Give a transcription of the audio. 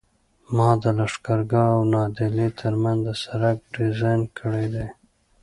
ما د لښکرګاه او نادعلي ترمنځ د سرک ډیزاین کړی دی